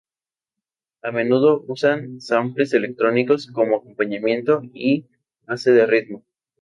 A menudo usan samples electrónicos como acompañamiento y base de ritmo.